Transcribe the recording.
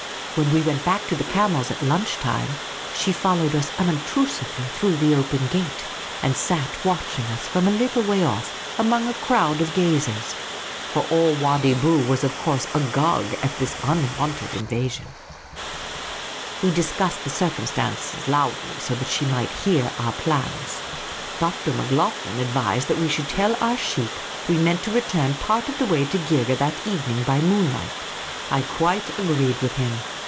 When we went back to the camels at lunch time, she followed us unobtrusively through the open gate, and sat watching us from a little way off, among a crowd of gazers ; for all Wadi Bou was of course agog at this un wonted invasion. 2cx> Miss Cayley's Adventures We discussed the circumstance loudly, so that she might hear our plans. Dr. Macloghlen advised that we should tell our sheikh we meant to return part of the way to Geergeh that evening by moonlight. I quite agreed with him.